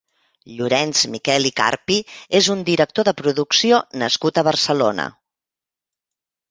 Llorenç Miquel i Carpi és un director de producció nascut a Barcelona.